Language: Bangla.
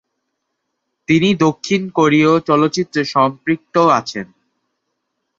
তিনি দক্ষিণ কোরীয় চলচ্চিত্রে সম্পৃক্ত আছেন।